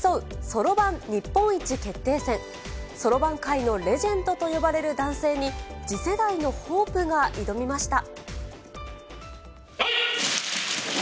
そろばん界のレジェンドと呼ばれる男性に、次世代のホープが挑みました。